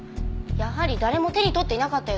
やはり誰も手に取っていなかったようです。